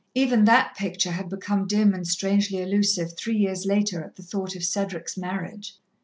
Even that picture had become dim and strangely elusive, three years later, at the thought of Cedric's marriage.